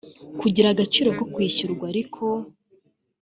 kugira agaciro ko kwishyurwa ariko